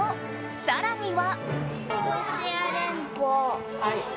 更には。